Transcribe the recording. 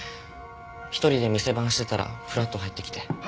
一人で店番してたらふらっと入ってきて。